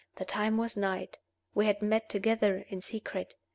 The time was night. We had met together in secret.